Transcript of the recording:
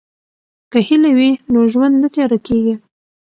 که هیله وي نو ژوند نه تیاره کیږي.